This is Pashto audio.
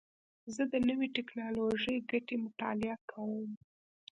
زه د نوې ټکنالوژۍ ګټې مطالعه کوم.